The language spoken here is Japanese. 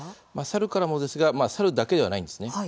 サルからもですがサルだけではないんですね。